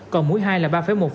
còn mũi hai là ba một